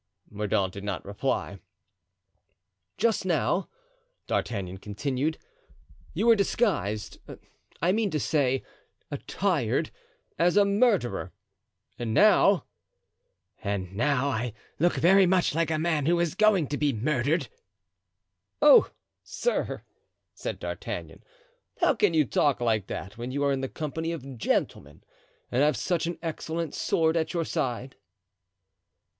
Mordaunt did not reply. "Just now," D'Artagnan continued, "you were disguised—I mean to say, attired—as a murderer, and now——" "And now I look very much like a man who is going to be murdered." "Oh! sir," said D'Artagnan, "how can you talk like that when you are in the company of gentlemen and have such an excellent sword at your side?"